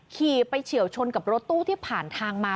ขี่ไปเฉียวชนกับรถตู้ที่ผ่านทางมา